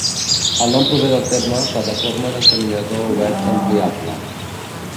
El nom prové del terme "Plataforma d'encaminador oberta ampliable".